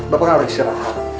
bapak nggak ada istirahat